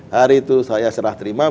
hari itu saya serah terima